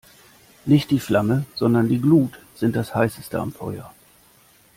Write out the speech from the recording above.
Nicht die Flammen, sondern die Glut sind das Heißeste am Feuer.